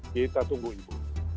kita tunggu ibu